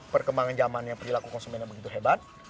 perkembangan zaman yang perilaku konsumennya begitu hebat